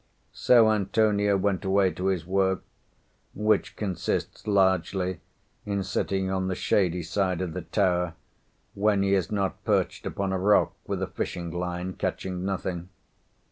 So Antonio went away to his work, which consists largely in sitting on the shady side of the tower, when he is not perched upon a rock with a fishing line catching nothing.